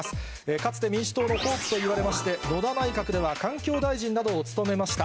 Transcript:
かつて民主党のホープといわれまして、野田内閣では環境大臣などを務めました。